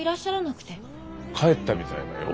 帰ったみたいだよ。